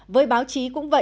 với báo chí cũng vậy